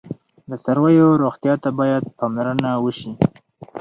د څارویو روغتیا ته باید پاملرنه وشي.